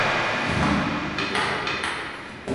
Entre sus funciones está aprobar los proyectos del alcalde.